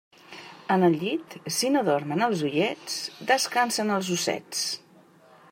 En el llit, si no dormen els ullets, descansen els ossets.